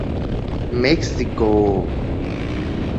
เม็กซิโก